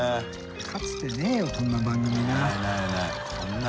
かつてないよこんな番組な。